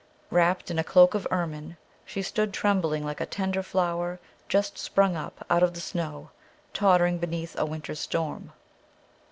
Wrapped in a cloak of ermine, she stood trembling like a tender flower just sprung up out of the snow, tottering beneath a winter's storm.